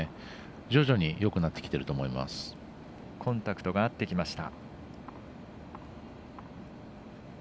徐々によくなってきているとコンタクトが合ってきました。